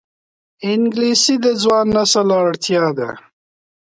انګلیسي د ځوان نسل اړتیا ده